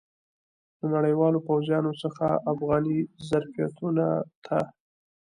د نړیوالو پوځیانو څخه افغاني ظرفیتونو ته.